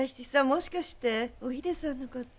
もしかしておひでさんの事。